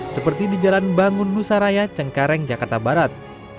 seperti di jalan bangun nusaraya cengkareng jakarta barat